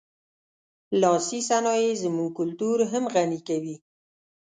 لاسي صنایع زموږ کلتور هم غني کوي.